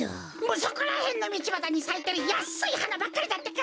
そこらへんのみちばたにさいてるやっすいはなばっかりだってか！